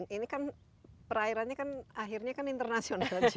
ini kan perairannya kan akhirnya kan internasional juga ya